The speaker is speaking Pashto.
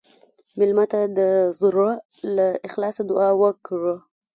مېلمه ته د زړه له اخلاصه دعا وکړه.